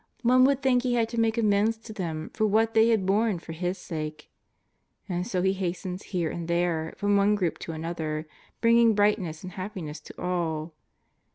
One would think He had to make amends to them for what they had borne for His sake. And so He hastens here and there, from one group to an other, bringing brightness and happiness to all.